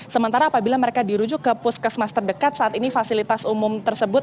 sementara apabila mereka dirujuk ke puskesmas terdekat saat ini fasilitas umum tersebut